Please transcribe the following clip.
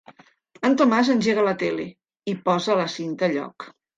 El Tomàs engega la tele i posa la cinta a lloc.